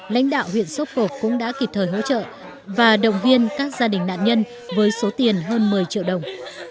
lãnh đạo huyện sốp cộp cũng đã kịp thời hỗ trợ và động viên các gia đình nạn nhân với số tiền hơn một mươi triệu đồng